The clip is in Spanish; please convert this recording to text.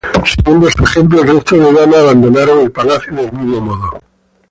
Siguiendo su ejemplo, el resto de damas abandonaron el palacio del mismo modo.